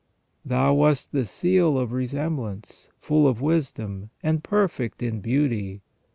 " Thou wast the seal of resemblance, full of wisdom, and perfect in beauty.